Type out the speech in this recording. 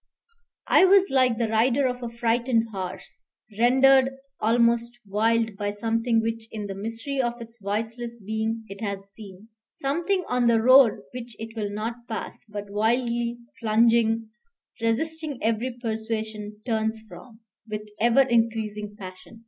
I was like the rider of a frightened horse, rendered almost wild by something which in the mystery of its voiceless being it has seen, something on the road which it will not pass, but wildly plunging, resisting every persuasion, turns from, with ever increasing passion.